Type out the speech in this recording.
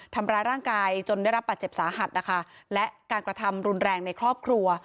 ทำร้ายร่างกายจนได้รับบาดเจ็บสาหัสนะคะและการกระทำรุนแรงในครอบครัว